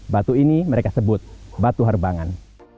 batu ini mereka sebut batu harbangan